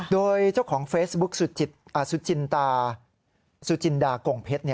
โดยเจ้าของเฟซบุ๊กซุจินดากล่องเพชร